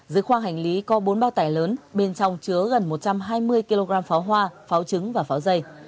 dưới khoang hành lý có bốn bao tải lớn bên trong chứa gần một trăm hai mươi kg pháo hoa pháo trứng và pháo dây